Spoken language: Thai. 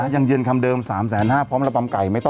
ยังเยินคำเดิม๓๕๐๐บาทพร้อมระบำไก่